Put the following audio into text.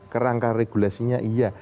kerangka regulasinya iya